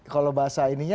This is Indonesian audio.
kalau bahasa ini